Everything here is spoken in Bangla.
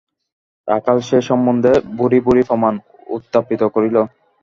রাখাল সে সম্বন্ধে ভুরি ভুরি প্রমাণ উত্থাপিত করিল।